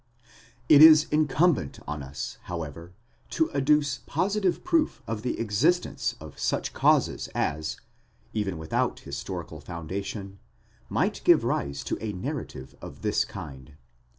It is incumbent on us, however, to adduce positive proof of the existence of such causes as, even without historical foundation, might give rise toa narrative of this kind.